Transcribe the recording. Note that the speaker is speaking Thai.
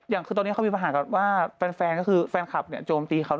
อย่างทีตอนนี้เขามีประหารว่าแฟนก็คือแฟนคับโจมตีเขา